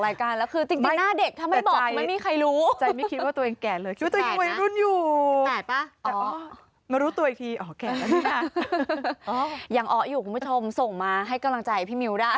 ยังอ้ออยู่คุณผู้ชมส่งมาให้กำลังใจพี่มิวได้